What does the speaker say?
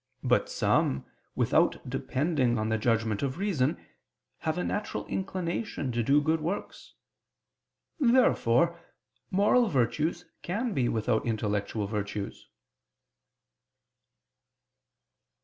But some, without depending on the judgment of reason, have a natural inclination to do good works. Therefore moral virtues can be without intellectual virtues.